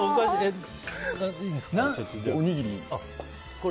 おにぎり。